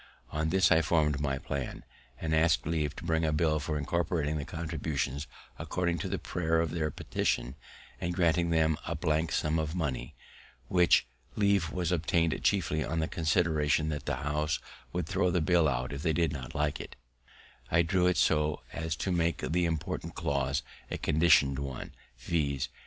On this I form'd my plan; and, asking leave to bring in a bill for incorporating the contributors according to the prayer of their petition, and granting them a blank sum of money, which leave was obtained chiefly on the consideration that the House could throw the bill out if they did not like it, I drew it so as to make the important clause a conditional one, viz.